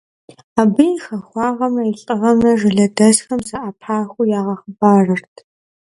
Абы и хахуагъэмрэ и лӀыгъэмрэ жылэдэсхэм зэӀэпахыу ягъэхъыбарырт.